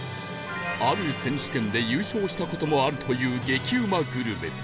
ある選手権で優勝した事もあるという激うまグルメ